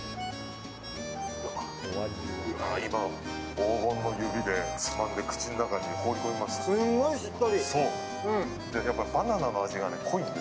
黄金の指でつまんで口の中に放り込みました。